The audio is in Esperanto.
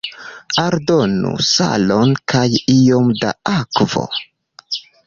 Aldonu salon kaj iom da akvo.